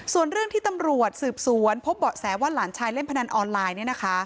ส่วนเรื่องที่ตำรวจสืบสวนพบเบาะแสว่าหลานชายเล่นพนันออนไลน์เนี่ยนะคะ